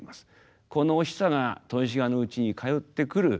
このお久が豊志賀のうちに通ってくる。